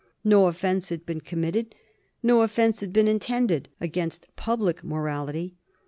No offence had been committed, no offence had been intended, against public morality.